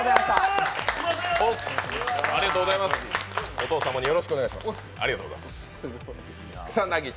お父様によろしくお願いします。